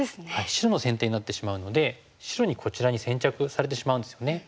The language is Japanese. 白の先手になってしまうので白にこちらに先着されてしまうんですよね。